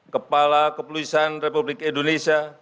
kepala kepulisan republik indonesia